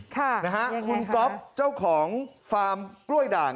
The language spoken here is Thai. คุณก๊อปเจ้าของฟาร์มกล้วยด่าง